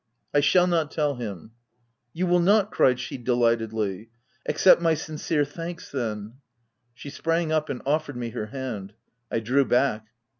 " I shall not tell him," "You will not !" cried she delightedly. " Ac cept my sincere thanks, then !" She sprang up, and offered me her hand. I drew back.